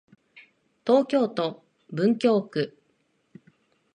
東京都文京区